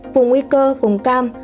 vùng nguy cơ vùng cam